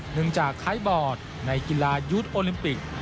หนึ่งจากไขบอร์ดในกีฬายุทธโอลิมปิก